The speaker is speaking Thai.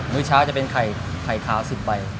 ื้อเช้าจะเป็นไข่ขาว๑๐ใบ